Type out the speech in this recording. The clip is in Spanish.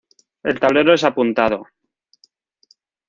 El tablero es apuntado.